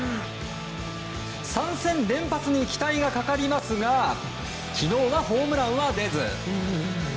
３戦連発に期待がかかりますが昨日はホームランは出ず。